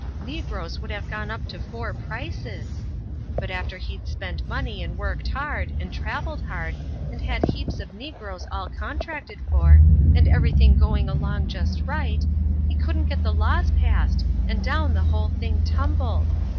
Negroes would have gone up to four prices. But after he'd spent money and worked hard, and traveled hard, and had heaps of negroes all contracted for, and everything going along just right, he couldn't get the laws passed and down the whole thing tumbled.